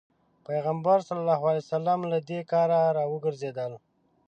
پيغمبر ص له دې کاره راوګرځول.